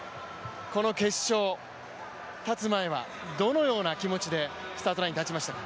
この決勝、立つ前はどのような気持ちでスタートラインに立ちましたか？